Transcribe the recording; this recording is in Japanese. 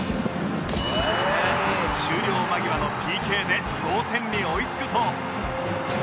終了間際の ＰＫ で同点に追いつくと